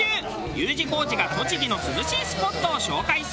Ｕ字工事が栃木の涼しいスポットを紹介する